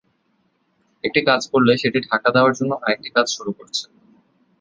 একটা কাজ করলে সেটা ঢাকা দেওয়ার জন্য আরেকটা কাজ শুরু করছে।